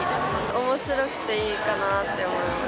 おもしろくていいかなって思います。